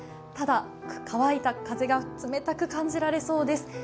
ただ、乾いた風が冷たく感じられそうです。